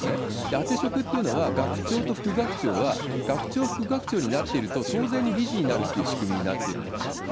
あて職っていうのは、学長と副学長は学長、副学長になっていると、当然に理事になるという仕組みになっているんですよ。